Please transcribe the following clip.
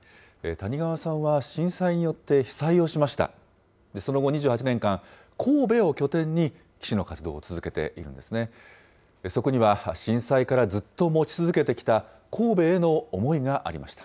谷川さんは震災によって被災をしました。